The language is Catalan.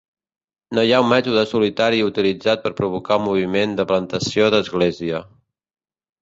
No hi ha un mètode solitari utilitzat per provocar un moviment de plantació d'església.